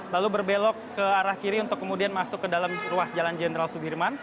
lalu berbelok ke arah kiri untuk kemudian masuk ke dalam ruas jalan jenderal sudirman